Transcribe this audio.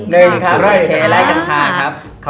นะคะโอเคแล้วกันชาครับ